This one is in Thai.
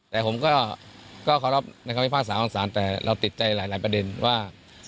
แต่ผมก็ขอรับในคำพิพากษาของศาลแต่เราติดใจหลายประเด็นว่า